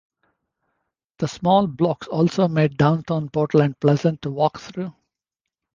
The small blocks also made downtown Portland pleasant to walk through.